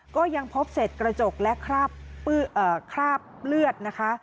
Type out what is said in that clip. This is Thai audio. ก็ยังพบเศษกระจกและคราบเลือดนะคะ